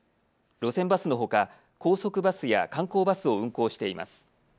路線バスのほか高速バスや観光バスを運行しています。